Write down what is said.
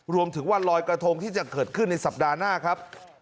วันลอยกระทงที่จะเกิดขึ้นในสัปดาห์หน้าครับ